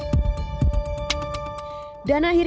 masa yang terakhir